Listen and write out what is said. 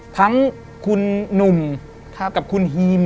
ทั้งคุณหนุ่มกับคุณฮีม